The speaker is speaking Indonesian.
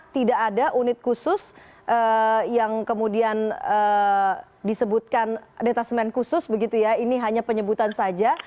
tidak ada unit khusus yang kemudian disebutkan detasemen khusus begitu ya ini hanya penyebutan saja